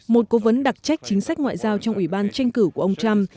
một cố vấn đặc trách chính sách ngoại giao trong ủy ban tranh cử của ông trump